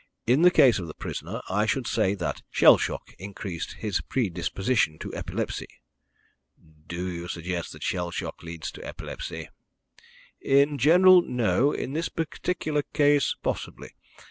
In the case of the prisoner, I should say that shell shock increased his predisposition to epilepsy." "Do you suggest that shell shock leads to epilepsy?" "In general, no; in this particular case, possibly.